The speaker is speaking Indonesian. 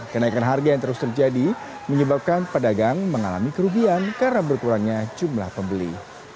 kenaikan harga yang terus terjadi menyebabkan pedagang mengalami kerugian karena berkurangnya jumlah pembeli